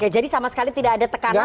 sama sekali tidak ada tekanan